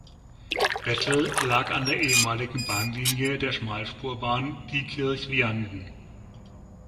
Bettel lag an der ehemaligen Bahnlinie der Schmalspurbahn Diekirch–Vianden.